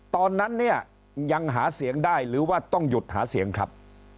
ตอนนั้นเนี่ยยังหาเสียงได้หรือว่าต้องหยุดหาเสียงครับ